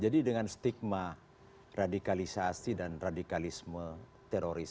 jadi dengan stigma radikalisasi dan radikalisme teroris